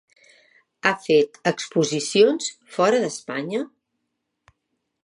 Ha fet exposicions fora d'Espanya?